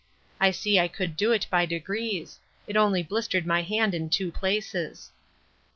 I see I could do't by degrees: It only blistered my hand in two places.